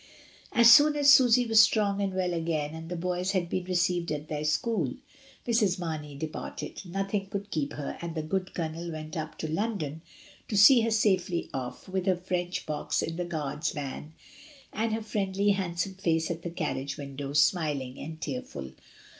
As soon as Susy was strong and well again, and the boys had been received at their school, Mrs. Marney departed; nothing could keep her, and the good Colonel went up to London to see her safely off, with her French box in the guard's van, and her friendly, handsome face at the carriage window, smiling and tearful.